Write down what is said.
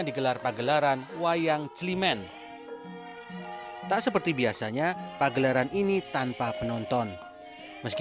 digelar pagelaran wayang celimen tak seperti biasanya pagelaran ini tanpa penonton meski